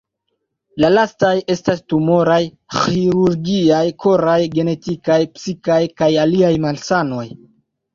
La lastaj estas tumoraj, ĥirurgiaj, koraj, genetikaj, psikaj kaj aliaj malsanoj.